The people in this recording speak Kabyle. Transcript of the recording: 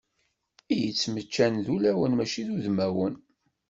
I yettmeččan d ulawen mačči d udmawen.